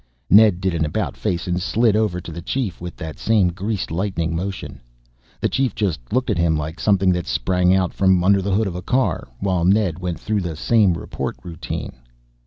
Ned did an about face and slid over to the Chief with that same greased lightning motion. The Chief just looked at him like something that sprang out from under the hood of a car, while Ned went through the same report routine.